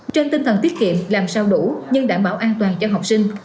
trên tinh thần tiết kiệm làm sao đủ nhưng đảm bảo an toàn cho học sinh